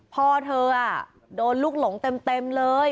พ่อเธอโดนลูกหลงเต็มเลย